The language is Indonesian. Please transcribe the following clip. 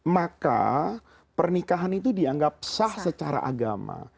maka pernikahan itu dianggap sah secara agama